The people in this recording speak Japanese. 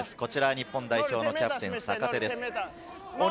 日本代表のキャプテン・坂手です。